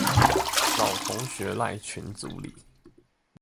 老同學們賴群組裡